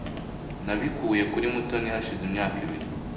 Nabikuye kuri Mutoni hashize imyaka ibiri.